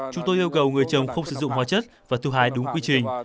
chúng tôi yêu cầu người chồng không sử dụng hóa chất và thu hái đúng quy trình